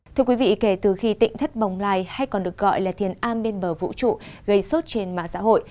thưa quý vị kể từ khi tịnh thất bồng lai hay còn được gọi là thiền a bên bờ vũ trụ gây sốt trên mạng xã hội